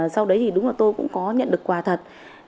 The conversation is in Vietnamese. sau đó tôi cũng nhận được quà thật